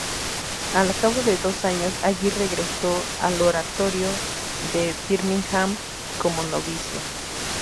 Al cabo de dos años allí regresó al Oratorio de Birmingham como novicio.